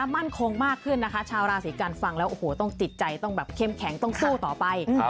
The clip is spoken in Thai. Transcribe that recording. มั่นคงมากขึ้นนะคะชาวราศีกันฟังแล้วโอ้โหต้องจิตใจต้องแบบเข้มแข็งต้องสู้ต่อไป